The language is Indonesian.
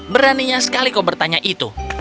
beraninya sekali kau bertanya itu